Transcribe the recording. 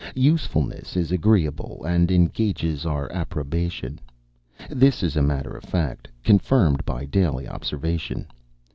Usefulness is agreeable, and engages our approbation. This is a matter of fact, confirmed by daily observation.